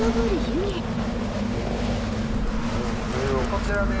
こちらで。